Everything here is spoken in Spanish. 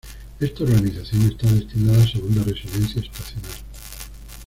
Esta urbanización está destinada a segunda residencia estacional.